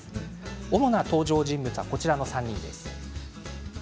主な登場人物はこちらの３人です。